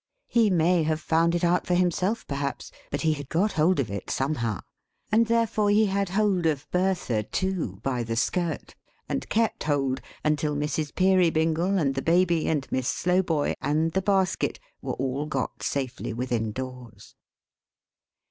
He may have found it out for himself, perhaps, but he had got hold of it somehow; and therefore he had hold of Bertha too, by the skirt, and kept hold, until Mrs. Peerybingle and the Baby, and Miss Slowboy, and the basket, were all got safely within doors.